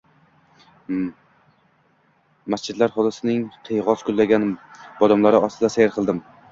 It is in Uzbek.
Masjidlar hovlisining qiyg‘os gullagan bodomlari ostida sayr qildim.